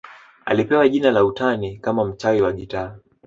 Alipewa jina la utani kama mchawi wa gitaa